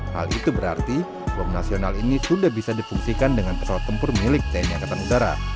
hal itu berarti bom nasional ini sudah bisa difungsikan dengan pesawat tempur milik tni angkatan udara